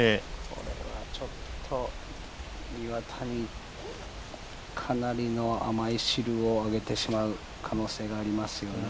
これはちょっと、岩田にかなりの甘い汁をあげてしまう可能性がありますよね。